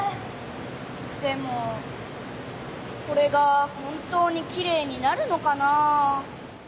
でもこれが本当にきれいになるのかなあ？